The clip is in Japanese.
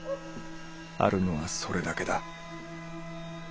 あるのはそれだけだ。